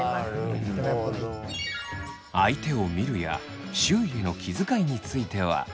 相手を見るや周囲への気遣いについては。